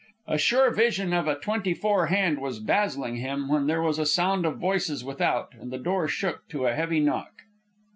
A sure vision of a "twenty four" hand was dazzling him, when there was a sound of voices without and the door shook to a heavy knock.